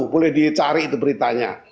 boleh dicari itu beritanya